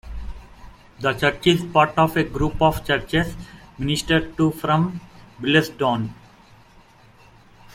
The church is part of a group of churches ministered to from Billesdon.